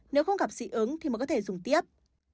nếu không gặp dị ứng thì mới có thể dùng tiếp